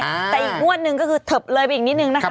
แต่อีกงวดหนึ่งก็คือเทิบเลยไปอีกนิดนึงนะคะ